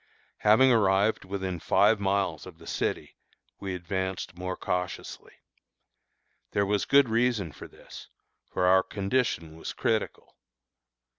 Having arrived within five miles of the city, we advanced more cautiously. There was good reason for this, for our condition was critical.